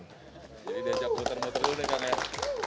udah sekali pembalap